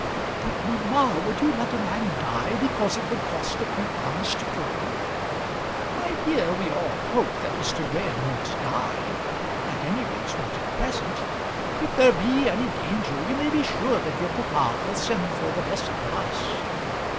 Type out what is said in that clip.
"But, mamma, would you let a man die because it would cost a few pounds to cure him?" "My dear, we all hope that Mr. Graham won't die at any rate not at present. If there be any danger you may be sure that your papa will send for the best advice."